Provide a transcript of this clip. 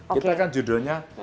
kita kan judulnya